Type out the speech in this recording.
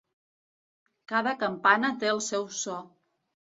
Cada campana té el seu so.